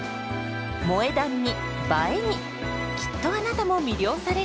「萌え断」に「映え」にきっとあなたも魅了されるはず！